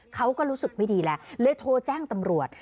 เขาก็รู้สึกไม่ดีแล้วเลยโทรแจ้งตำรวจ